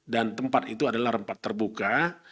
dan tempat itu adalah tempat terbuka